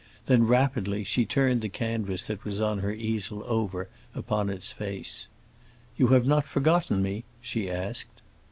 Then, rapidly, she turned the canvas that was on her easel over upon its face. "You have not forgotten me?" she asked.